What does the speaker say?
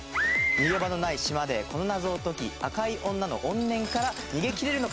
逃げ場のない島でこの謎を解き赤い女の怨念から逃げ切れるのか？